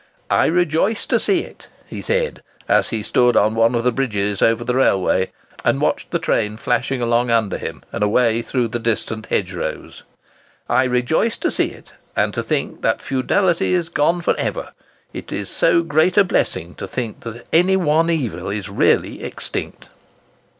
"I rejoice to see it," he said, as he stood on one of the bridges over the railway, and watched the train flashing along under him, and away through the distant hedgerows—"I rejoice to see it, and to think that feudality is gone for ever: it is so great a blessing to think that any one evil is really extinct."